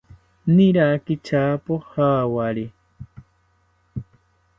Niraki tyapo jawari